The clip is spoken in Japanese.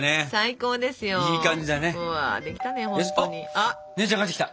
あっ姉ちゃん帰ってきた！